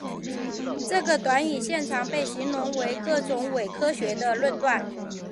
这个短语现常被用来形容各种伪科学的论断。